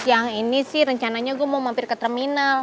siang ini sih rencananya gue mau mampir ke terminal